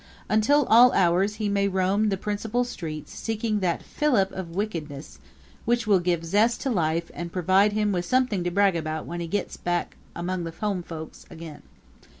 Until all hours he may roam the principal streets seeking that fillip of wickedness which will give zest to life and provide him with something to brag about when he gets back among the home folks again.